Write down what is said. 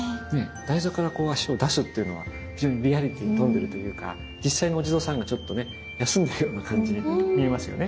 台座から足を出すっていうのは非常にリアリティーに富んでるというか実際のお地蔵さんがちょっとね休んでるような感じに見えますよね。